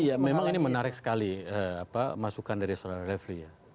iya memang ini menarik sekali masukan dari soelara refli